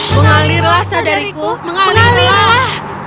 mengalirlah saudariku mengalirlah